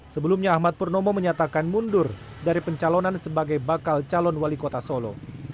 sebelumnya ahmad purnomo menyatakan mundur dari pencalonan sebagai bakal calon wali kota solo